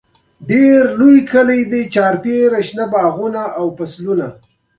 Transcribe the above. د موټر دواړه اشارې روښانه کړئ